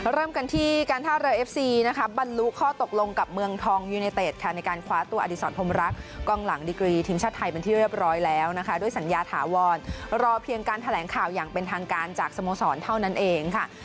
เริ่มกันที่การท่าเรือเอฟซีนะคะบรรลุข้อตกลงกับเมืองทองยูเนเต็ดค่ะในการคว้าตัวอดีศรพรมรักกล้องหลังดิกรีทีมชาติไทยเป็นที่เรียบร้อยแล้วนะคะด้วยสัญญาถาวรรอเพียงการแถลงข่าวอย่างเป็นทางการจากสโมสรเท่านั้นเองค่ะ